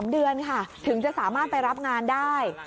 ๓เดือนค่ะถึงจะสามารถไปรับงานได้